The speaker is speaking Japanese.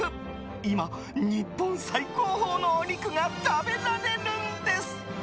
今、日本最高峰のお肉が食べられるんです！